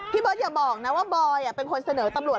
พี่เบิร์อย่าบอกนะว่าบอยเป็นคนเสนอตำรวจ